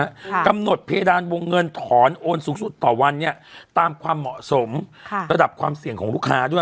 ค่ะกำหนดเพดานวงเงินถอนโอนสูงสุดต่อวันเนี้ยตามความเหมาะสมค่ะระดับความเสี่ยงของลูกค้าด้วย